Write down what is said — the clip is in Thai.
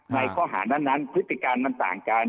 ในข้อหานั้นพฤติการมันต่างกัน